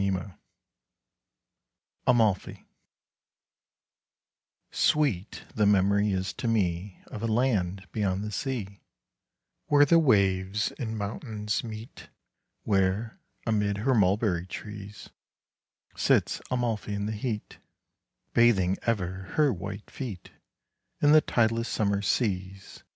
C. TRENCH. AMALFI Sweet the memory is to me Of a land beyond the sea, Where the waves and mountains meet, Where, amid her mulberry trees, Sits Amalfi in the heat, 5 Bathing ever her white feet In the tideless summer seas.